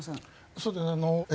そうですね。